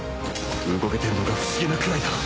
動けてるのが不思議なくらいだ